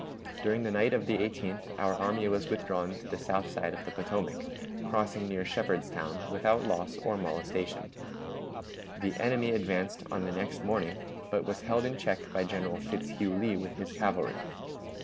During the night of the 18th our army was withdrawn to the south side of the Potomac, crossing near Shepardstown, without loss or molestation. The enemy advanced on the next morning, but was held in check by General Fitzhugh Lee with his cavalry.